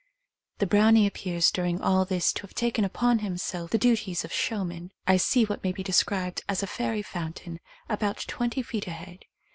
The brownie appears during all this to have taken upon himself the duties of show man. I see what may be described as a fairy fountain about twenty feet ahead.